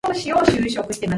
My father depends on it.